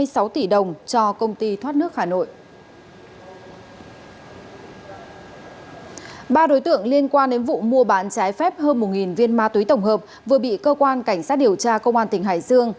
xin chào các bạn